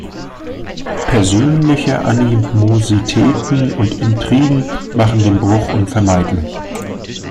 Persönliche Animositäten und Intrigen machen den Bruch unvermeidlich.